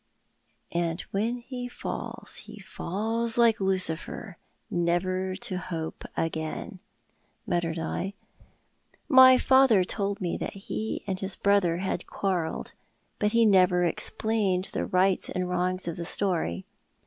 "' And when he fall?, he falls like Lucifer, Never to hope again.' " muttered I. " My fatlier told me that he and his brother had quarrelled ; but he never explained the rights and wrongs of the story."